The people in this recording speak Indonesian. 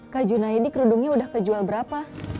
kak junaidi kerudungnya udah kejual berapa